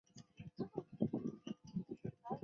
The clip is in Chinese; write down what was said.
非洲的金矿产出金子被运往威尼斯。